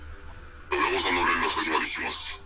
親御さんの連絡先まで聞きます。